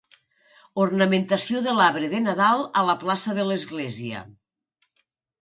Ornamentació de l'arbre de Nadal a la plaça de l'església.